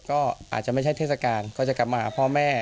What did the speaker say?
ก็อาจจะไม่ใช่เทศกาลก็จะกลับมาหาพ่อแม่